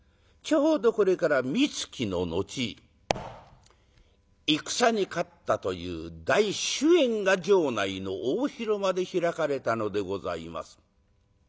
ちょうどこれからみつきの後戦に勝ったという大酒宴が城内の大広間で開かれたのでございます。